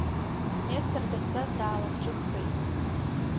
Нестор дахьтәаз даалахҿыххеит.